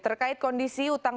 terkait kondisi utang penguangan